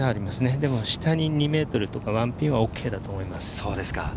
でも下に２ｍとかワンピンはＯＫだと思います。